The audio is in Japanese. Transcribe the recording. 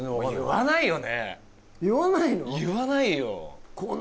言わないよ